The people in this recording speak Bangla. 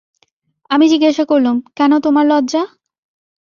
আমি জিজ্ঞাসা করলুম, কেন তোমার লজ্জা?